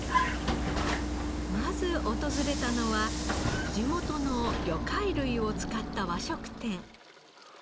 まず訪れたのは地元の魚介類を使った和食店。